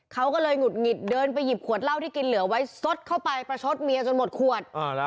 เขาก็เลยหงุดหงิดเดินไปหยิบขวดเหล้าที่กินเหลือไว้ซดเข้าไปประชดเมียจนหมดขวด